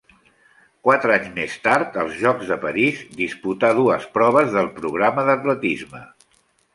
Quatre anys més tard, als Jocs de París, disputà dues proves del programa d'atletisme.